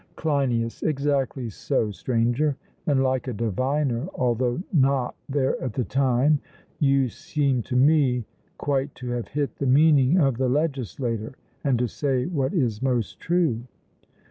CLEINIAS: Exactly so, Stranger; and like a diviner, although not there at the time, you seem to me quite to have hit the meaning of the legislator, and to say what is most true.